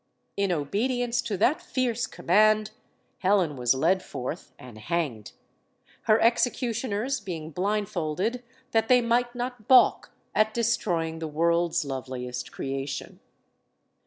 In obedi ence to that fierce command, Helen was led forth and hanged; her executioners being blindfolded, that they might not balk at destroying the world's loveliest creation.